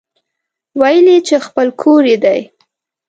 ويل يې چې خپل کور يې دی.